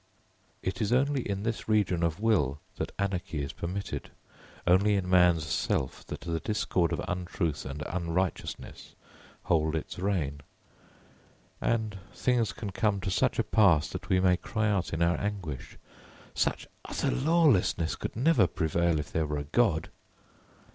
It is only in this region of will that anarchy is permitted; only in man's self that the discord of untruth and unrighteousness hold its reign; and things can come to such a pass that we may cry out in our anguish, "Such utter lawlessness could never prevail if there were a God!"